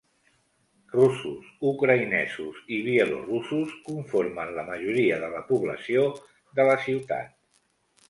Russos, ucraïnesos i bielorussos conformen la majoria de la població de la ciutat.